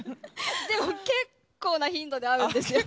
でも結構な頻度で会うんですよ。